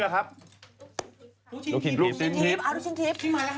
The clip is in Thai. จากกระแสของละครกรุเปสันนิวาสนะฮะ